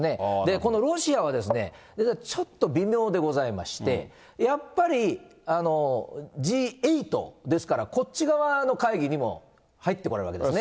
このロシアはちょっと微妙でございまして、やっぱりＧ８ですから、こっち側の会議にも入ってくるわけですね。